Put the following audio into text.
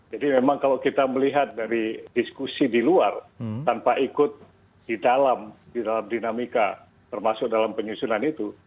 jadi memang kalau kita melihat dari diskusi di luar tanpa ikut di dalam dinamika termasuk dalam penyusunan itu